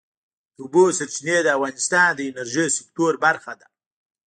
د اوبو سرچینې د افغانستان د انرژۍ سکتور برخه ده.